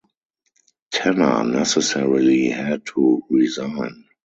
Tanner necessarily had to resign.